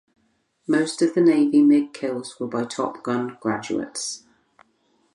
Most of the Navy MiG kills were by Top Gun graduates.